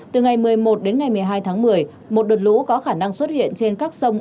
từ ngày một mươi một đến ngày một mươi hai tháng một mươi một đợt lũ có khả năng xuất hiện trên các sông